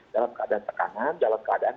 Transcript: dalam keadaan tekanan dalam keadaan